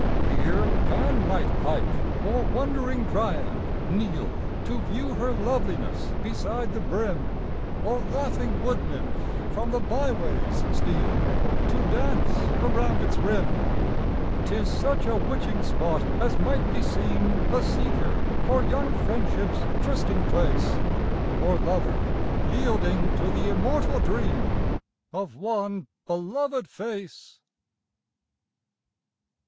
Here Pan might pipe, or wandering dryad kneel To view her loveliness beside the brim, Or laughing wood nymphs from the byways steal To dance around its rim. Tis such a witching spot as might beseem A seeker for young friendship's trysting place, Or lover yielding to the immortal dream Of one beloved face.